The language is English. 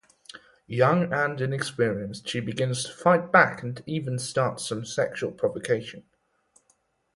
Young and inexperienced, she begins to fight back and even starts some sexual provocation.